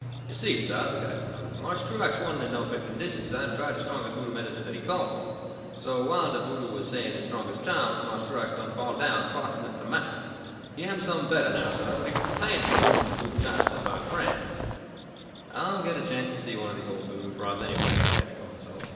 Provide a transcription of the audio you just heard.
"Yo' see, sah," the guide went on, "Marse Truax wa'n't in no fit condition, sah, to try de strongest voodoo medicine dat he called fo'. So, w'ile de voodoo was sayin' his strongest chahms, Marse Truax done fall down, frothin' at de mouth. He am some bettah, now, sah, but he kain't be move' from de voodoo's house 'cept by a frien'." "I'll get a chance to see one of these old voodoo frauds, anyway," Jack told himself.